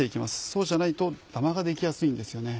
そうじゃないとダマができやすいんですよね。